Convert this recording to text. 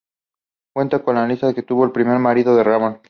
Cuenta Luisa que tuvo un primer marido, Ramón.